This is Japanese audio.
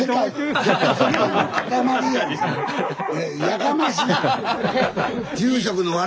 やかましい！